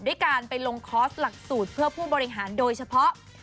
ด้วยการไปลงคอร์สหลักสูตรเพื่อผู้บริหารโดยเฉพาะ